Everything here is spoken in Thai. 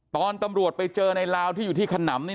ตอนตำรวจไปเจอในลาวที่อยู่ที่ขนำนี่